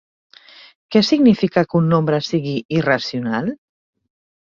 Què significa que un nombre sigui irracional?